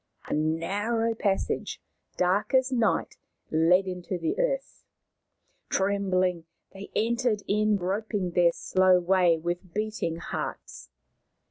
A narrow passage, dark as night, led into the earth. Trembling, they entered in, groping their slow way with beating hearts.